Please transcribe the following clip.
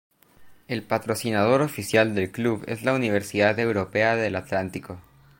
El patrocinador oficial del club es la Universidad Europea del Atlántico.